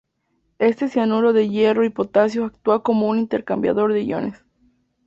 Este cianuro de hierro y potasio actúa como un intercambiador de iones.